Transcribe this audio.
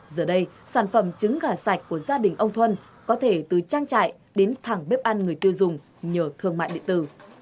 giờ đây sản phẩm trứng gà sạch của gia đình ông thuân có thể từ trang trại đến thẳng bếp ăn người tiêu dùng nhờ thương mại điện tử